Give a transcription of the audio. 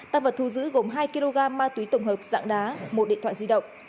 tăng vật thu giữ gồm hai kg ma túy tổng hợp dạng đá một điện thoại di động